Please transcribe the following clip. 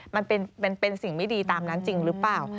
มันเป็นสิ่งไม่ดีตามนั้นจริงหรือเปล่า